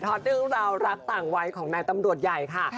เรื่องราวรักต่างวัยของนายตำรวจใหญ่ค่ะ